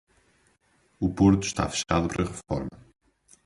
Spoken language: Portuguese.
O porto está fechado para reforma.